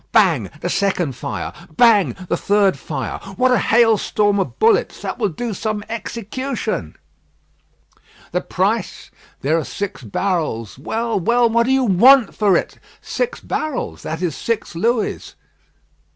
Bang! the second fire. Bang! the third fire. What a hailstorm of bullets! That will do some execution." "The price?" "There are six barrels." "Well, well, what do you want for it?" "Six barrels; that is six Louis."